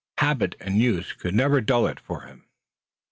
Habit and use could never dull it for him.